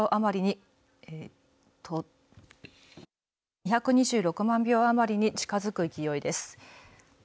２２６万票余りに近づく勢いです。